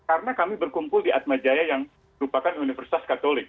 karena kami berkumpul di atmajaya yang merupakan universitas katolik